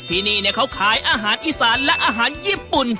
ที่นี่เขาขายอาหารอีสานและอาหารญี่ปุ่น